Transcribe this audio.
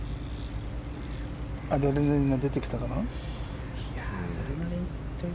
アドレナリンが出てきたかな？